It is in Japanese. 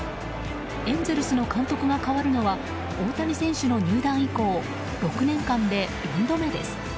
エンゼルスの監督が代わるのは大谷選手の入団以降６年間で４度目です。